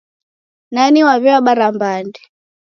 Nani waw'iabara mbande?